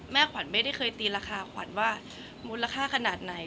แม่ขวานไม่ได้เคยตีราคาขวานว่ามูลราคาขนาดไหน